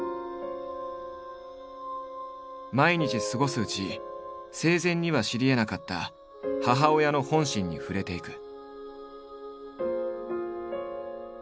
毎日過ごすうち生前には知りえなかった母親の本心に触れていく。